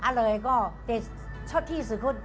หลายก็ชอบที่สุโคส